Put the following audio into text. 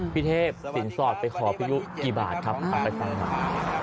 พี่เทพสินสอดไปขอพี่ยุกี่บาทครับเอาไปฟังหน่อย